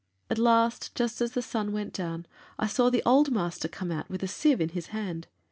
"At last, just as the sun went down, I saw the old master come out with a sieve in his hand.